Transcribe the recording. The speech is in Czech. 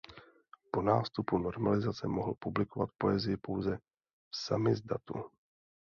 Po nástupu normalizace mohl publikovat poezii pouze v samizdatu.